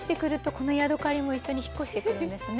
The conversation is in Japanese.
このヤドカリも一緒に引っ越してくるんですね。